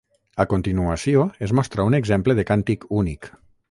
A continuació es mostra un exemple de càntic únic.